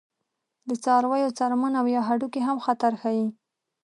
د څارویو څرمن او یا هډوکي هم خطر ښيي.